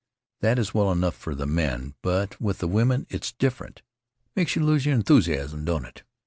That is well enough for the men, but with the women it's different. Makes you lose your enthusiasm, don't it?"